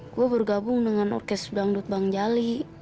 gue bergabung dengan orkes dangdut bang jali